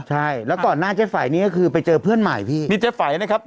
ใช่แล้วก่อนหน้าเจ๊ไฝนี่ก็คือไปเจอเพื่อนใหม่พี่มีเจ๊ไฝนะครับ